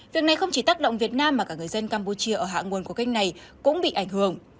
việc này không chỉ tác động việt nam mà cả người dân campuchia ở hạ nguồn của kênh này cũng bị ảnh hưởng